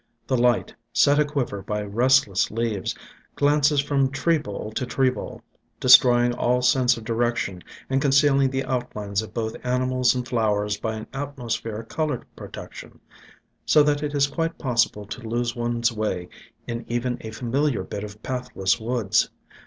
The light, set a quiver by restless leaves, glances from tree bole to tree bole, destroying all sense of direction, and concealing the outlines of both ani mals and flowers by an atmospheric color protection, so that it is quite possible to lose one's way in even a familiar bit of pathless woods.